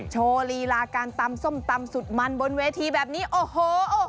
โชว์ลีลาการตำส้มตำสุดมันบนเวทีแบบนี้โอ้โห